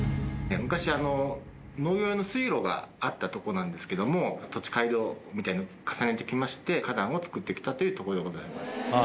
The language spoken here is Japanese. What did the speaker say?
昔農業用の水路があったとこなんですけども土地改良みたいのを重ねてきまして花壇を作ってきたというとこでございます